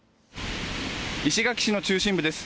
石垣市の中心部です。